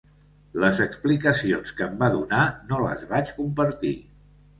Les explicacions que em va donar no les vaig compartir.